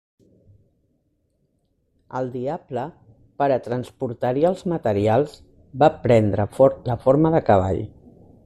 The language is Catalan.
El diable, per a transportar-hi els materials, va prendre la forma de cavall.